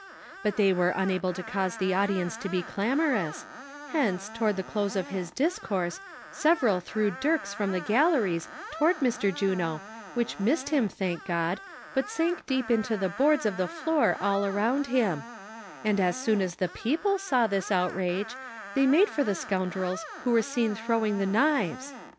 But they were un able to cause the audience to be clamorous, hence, toward the close of his discourse, threw several dirks from the galleries toward ]Mr. Juno, which missed him, thank God, but sank deep into the boards of the floor all around him; and as soon as the people saw this outrage, they made for the scoundrels who were seen throwing the knives.